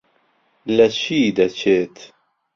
لە چی دەچێت؟